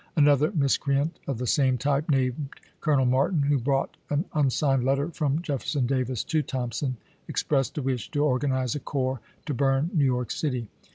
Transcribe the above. Another miscreant of the same type, named Colonel Martin, who brought an unsigned letter from Jef ferson Davis to Thompson, expressed a wish to organize a corps to burn New York City.